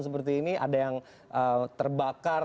seperti ini ada yang terbakar